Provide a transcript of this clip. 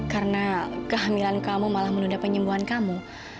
karena kehamilan kamu malah menunda penyembuhan kamu